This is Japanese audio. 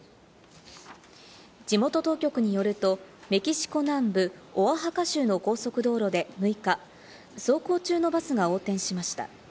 地元当局によると、メキシコ南部オアハカ州の高速道路で６日走行中のバスが横転しました。